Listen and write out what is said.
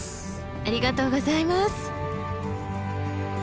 ありがとうございます！